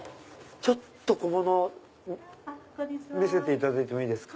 ちょっと見せていただいてもいいですか？